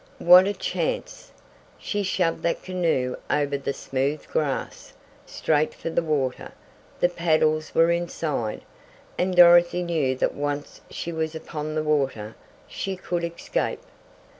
What a chance! She shoved that canoe over the smooth grass, straight for the water. The paddles were inside, and Dorothy knew that once she was upon the water she could escape.